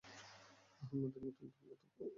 মুহাম্মাদের নতুন ধর্মমত অঙ্কুরেই বিনাশ হবে।